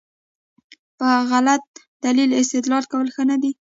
په غلط دلیل استدلال کول ښه نه دي.